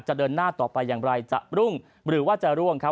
เดินหน้าต่อไปอย่างไรจะรุ่งหรือว่าจะร่วงครับ